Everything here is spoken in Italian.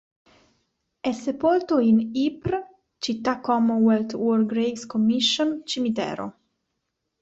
È sepolto in Ypres Città Commonwealth War Graves Commission Cimitero.